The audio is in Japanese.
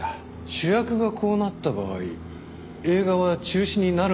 主役がこうなった場合映画は中止になるものなのでしょうか？